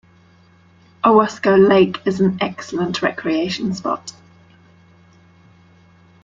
Owasco Lake is an excellent recreation spot.